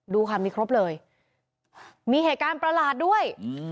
ดูค่ะมีครบเลยมีเหตุการณ์ประหลาดด้วย